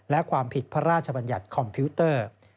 และความผิดพระราชบัญญัติคอมพิวเตอร์